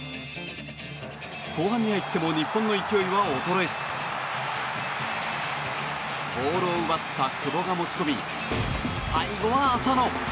後半に入っても日本の勢いは衰えずボールを奪った久保が持ち込み最後は浅野！